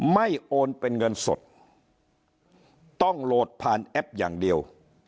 โอนเป็นเงินสดต้องโหลดผ่านแอปอย่างเดียว